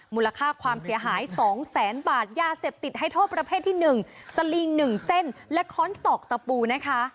มูลค่าความเสียหาย๒แสนบาทยาเสพติดให้โทษประเภทที่๑สลิง๑เส้นและค้อนตอกตะปูนะคะ